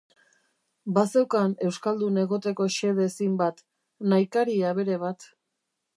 Bazeukan euskaldun egoteko xede zin bat, nahikari abere bat.